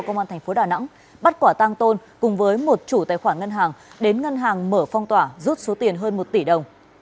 công an thành phố đà nẵng bắt quả tăng tôn cùng với một chủ tài khoản ngân hàng đến ngân hàng mở phong tỏa rút số tiền hơn một tỷ đồng